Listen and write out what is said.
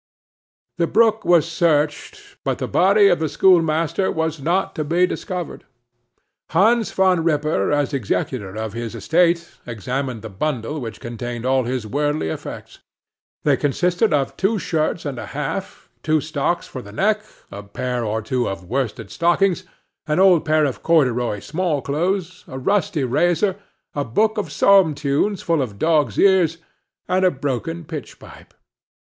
The brook was searched, but the body of the schoolmaster was not to be discovered. Hans Van Ripper as executor of his estate, examined the bundle which contained all his worldly effects. They consisted of two shirts and a half; two stocks for the neck; a pair or two of worsted stockings; an old pair of corduroy small clothes; a rusty razor; a book of psalm tunes full of dog's ears; and a broken pitch pipe.